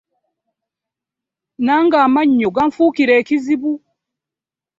Nange amannyo ganfuukira ekizibu.